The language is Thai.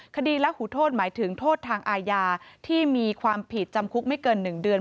คดีและหูโทษหมายถึงโทษทางอาญาที่มีความผิดจำคุกไม่เกิน๑เดือน